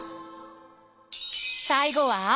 最後は？